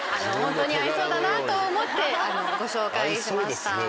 ホントに合いそうだなと思ってご紹介しました。